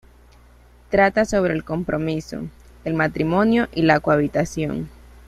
Trata sobre el compromiso, el matrimonio y la cohabitación.